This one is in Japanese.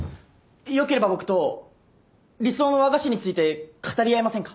よければ僕と理想の和菓子について語り合いませんか？